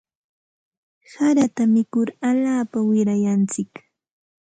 Harata mikur alaapa wirayantsik.